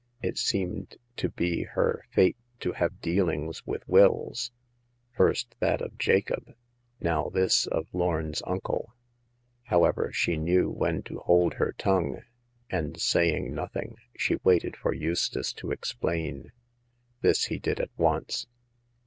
It seemed to be her fate to have dealings with wills — first that of Jacob ; now this of Lorn's uncle. However, she knew when to hold her tongue, and saying noth ing, she waited for Eustace to explain. This he did at once.